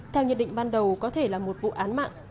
theo nhận định ban đầu có thể là một vụ án mạng